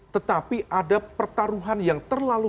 tetapi ada pertaruhan yang terlalu